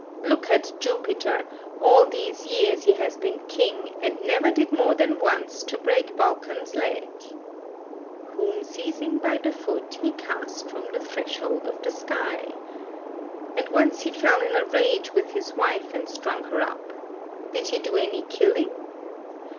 Look at Jupiter: all these years he has been 11 king, and never did more than once to break Vulcan's leg, 'Whom seizing by the foot he cast from the threshold of the sky,' [Sidenote: Illiad i, 591] and once he fell in a rage with his wife and strung her up: did he do any killing?